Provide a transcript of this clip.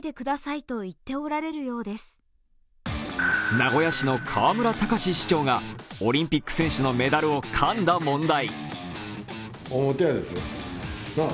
名古屋市の河村たかし市長がオリンピック選手のメダルをかんだ問題。